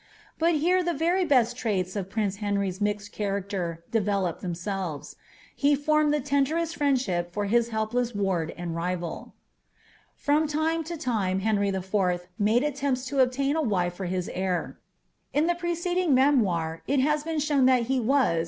But here ihe *ety best trails of priiic« Henry's mixed rinincM derelope themselves : he fonneil the lenderest friendship fur hit he^lot ward and rival. From lime to time TIenry IV. made stiempis to obuiti a wife for hii heir. In the preceding memoir it has been shown that he was.